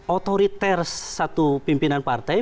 otoriter satu pimpinan partai